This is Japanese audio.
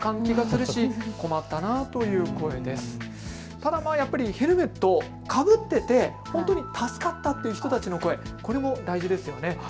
ただやっぱりヘルメットをかぶっていて本当に助かったという人たちの声、これも大事ですよね。